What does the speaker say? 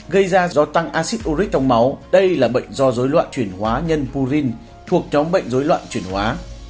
gây ra do tăng acid uric trong máu đây là bệnh do dối loạn chuyển hóa nhân purin thuộc nhóm bệnh dối loạn chuyển hóa